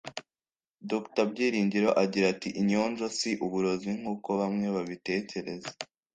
Dr Byiringiro agira ati “Inyonjo si uburozi nk’uko bamwe babitekereza